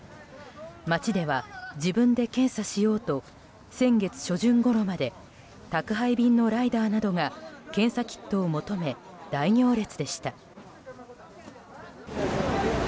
街では、自分で検査しようと先月初旬ごろまで宅配便のライダーなどが検査キットを求め大行列でした。